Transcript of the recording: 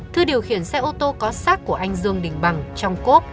thưa điều khiển xe ô tô có sát của anh dương đình bằng trong cốp